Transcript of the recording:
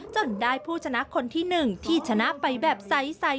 จนได้ผู้ชนะคนที่๑ที่ชนะไปแบบใส